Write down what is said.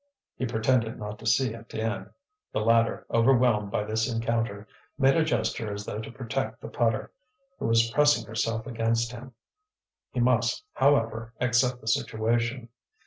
He pretended not to see Étienne. The latter, overwhelmed by this encounter, made a gesture as though to protect the putter, who was pressing herself against him. He must, however, accept the situation.